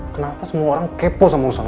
kenapa semua orang kepo sama urusan gue